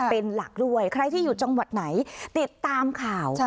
เป็นหลักด้วยใครที่อยู่จังหวัดไหนติดตามข่าว